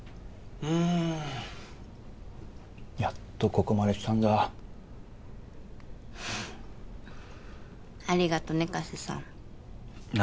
うんやっとここまで来たんだありがとね加瀬さん何？